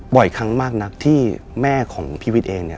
บ่อยครั้งมากนักที่แม่ของพิวิตเอง